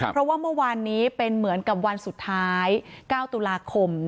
เพราะว่าเมื่อวานนี้เป็นเหมือนกับวันสุดท้าย๙ตุลาคม